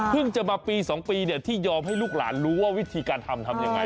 จะมาปี๒ปีที่ยอมให้ลูกหลานรู้ว่าวิธีการทำทำยังไง